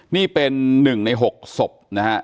นี่เป็นหนึ่งใน๖ศพนะครับ